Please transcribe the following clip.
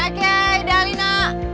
oke dah alina